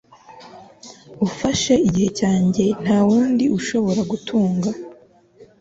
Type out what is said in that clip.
Ufashe igice cyanjye ntawundi ushobora gutunga